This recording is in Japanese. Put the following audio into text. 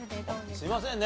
すいませんね